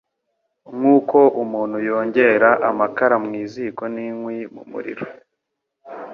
Nk’uko umuntu yongera amakara mu ziko n’inkwi mu muriro